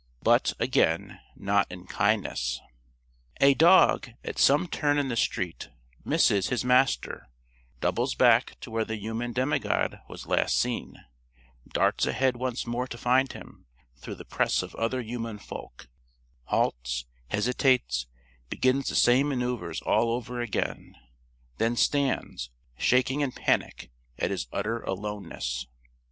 But, again, not in kindness. A dog, at some turn in the street, misses his master doubles back to where the human demigod was last seen darts ahead once more to find him, through the press of other human folk halts, hesitates, begins the same maneuvers all over again; then stands, shaking in panic at his utter aloneness.